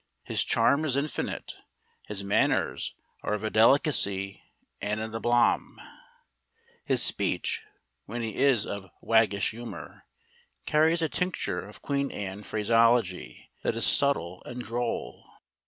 His charm is infinite; his manners are of a delicacy and an aplomb. His speech, when he is of waggish humour, carries a tincture of Queen Anne phraseology that is subtle and droll.